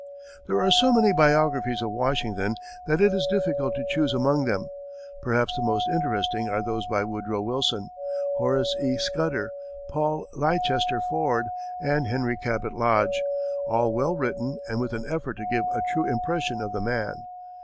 There are so many biographies of Washington that it is difficult to choose among them. Perhaps the most interesting are those by Woodrow Wilson, Horace E. Scudder, Paul Leicester Ford, and Henry Cabot Lodge all well written and with an effort to give a true impression of the man.